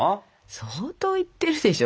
相当いってるでしょ